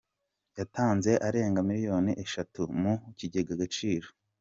yatanze arenga miliyoni eshatu mu kigega Agaciro